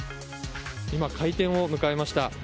今、開店を迎えました。